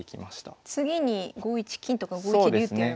次に５一金とか５一竜ってやれば。